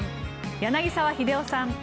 柳澤秀夫さん。